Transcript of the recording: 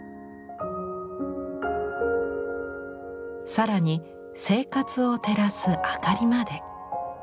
更に生活を照らすあかりまで。